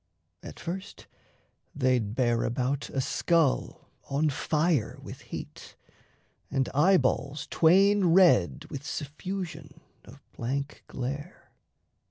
At first, they'd bear about A skull on fire with heat, and eyeballs twain Red with suffusion of blank glare.